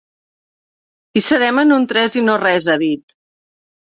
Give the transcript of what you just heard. Hi serem en un tres i no res, ha dit.